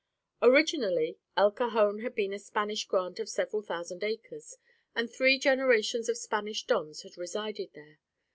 Originally El Cajon had been a Spanish grant of several thousand acres, and three generations of Spanish dons had resided there.